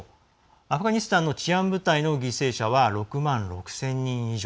アフガニスタンの治安部隊の犠牲者は６万６０００人以上。